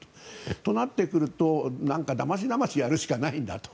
となってくると、だましだましやるしかないんだと。